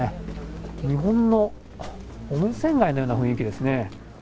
日本の温泉街のような雰囲気ですね。